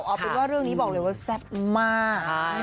เอาเป็นว่าเรื่องนี้บอกเลยว่าแซ่บมาก